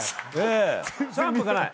シャンプーがない。